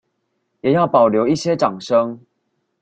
也要保留一些掌聲